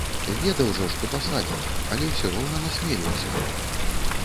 Ведаў жа, што пасадзяць, але ўсё роўна насмеліўся.